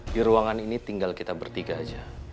di ruangan ini tinggal kita bertiga aja